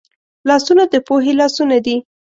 لاسونه د پوهې لاسونه دي